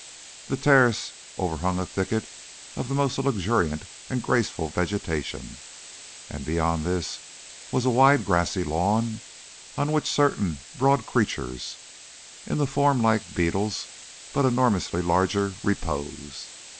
The terrace overhung a thicket of the most luxuriant and graceful vegetation, and beyond this was a wide grassy lawn on which certain broad creatures, in form like beetles but enormously larger, reposed.